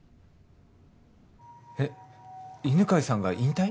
えっ犬飼さんが引退？